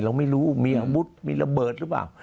เราไม่รู้มีอาวุธมีระเบิดหรือเปล่า